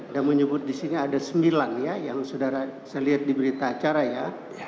dan menyebut disini ada sembilan ya yang saudara saya lihat di berita acara ya